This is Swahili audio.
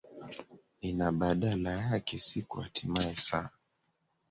i na badala yake siku hatimae saa